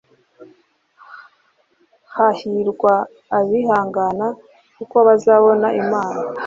Hahirwa abihangana kuko bazabona Imana